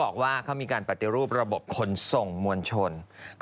ไม่ใช่กูมานะกูโมยแล้วเนี่ย